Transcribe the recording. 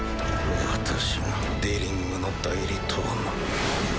私がデリングの代理とはな。